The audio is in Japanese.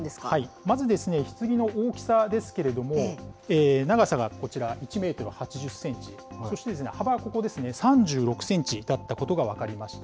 まずですね、ひつぎの大きさですけれども、長さがこちら、１メートル８０センチ、そして幅、ここですね、３６センチだったことが分かりました。